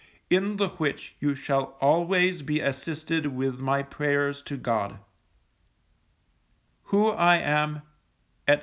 In the which you shall always be assisted with my Prayers to God. Who am, etc.